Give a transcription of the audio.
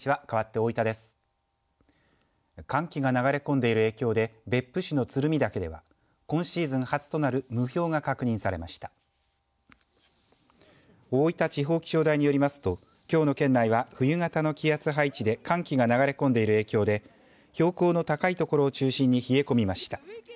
大分地方気象台によりますときょうの県内は冬型の気圧配置で寒気が流れ込んでいる影響で標高の高い所を中心に冷え込みました。